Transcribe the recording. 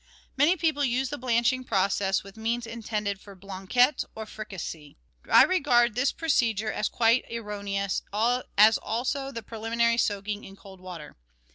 Many people use the blanching process with meats intended for " blanquette " or "fricassee." I regard this procedure as quite erroneous, as also the preliminary soaking in cold water.